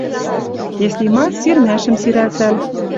Если ма, сирмӓшӹм сирӓлтӓл.